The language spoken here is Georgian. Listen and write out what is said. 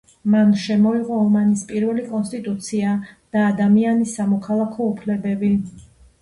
მან შემოიღო ომანის პირველი კონსტიტუცია და ადამიანის სამოქალაქო უფლებები.